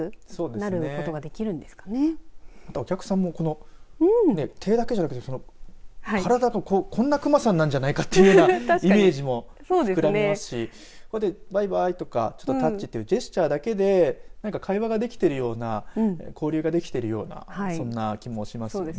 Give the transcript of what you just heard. あとは、お客さんも手だけじゃなくて体がこんなくまさんなんじゃないかというイメージも膨らみますしバイバイとかタッチというジェスチャーだけで会話ができているような交流ができているようなそんな気もしますよね。